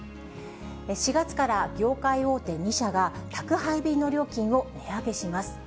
４月から業界大手２社が宅配便の料金を値上げします。